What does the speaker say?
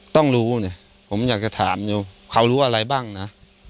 ต้องรู้เนี่ยผมอยากจะถามอยู่เขารู้อะไรบ้างนะ